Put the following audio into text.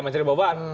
mas ria bapak